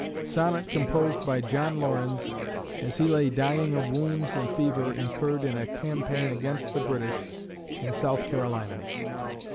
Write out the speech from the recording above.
[Sonnet composed by John Laurens as he lay dying of wounds and fever incurred in a campaign against the British in South Carolina.